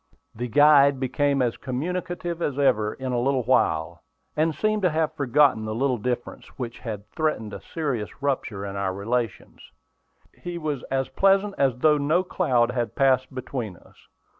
The guide became as communicative as ever in a little while, and seemed to have forgotten the little difference which had threatened a serious rupture in our relations. He was as pleasant as though no cloud had passed between us.